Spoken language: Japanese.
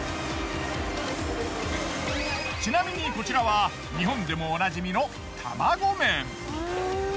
ちなみにこちらは日本でもお馴染みの卵麺。